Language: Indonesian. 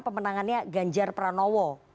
pemenangannya ganjar pranowo